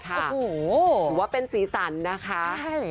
คือว่าเป็นสีสันนะคะ